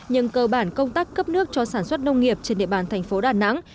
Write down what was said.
nhưng cơ bản công tác cấp nước cho sản xuất nông nghiệp trên địa bàn thành phố đà nẵng